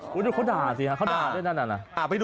เขาด่าสิครับเขาด่าด้วยนั่นล่ะ